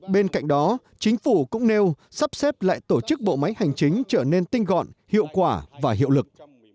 bên cạnh đó chính phủ cũng nêu sắp xếp lại tổ chức bộ máy hành chính trở nên tinh gọn hiệu quả và hiệu lực